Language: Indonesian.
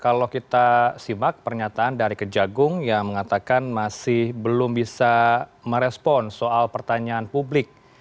kalau kita simak pernyataan dari kejagung yang mengatakan masih belum bisa merespon soal pertanyaan publik